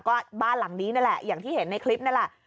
ก็บ้านหลังนี้นั่นแหละอย่างที่เห็นในคลิปนั่นแหละ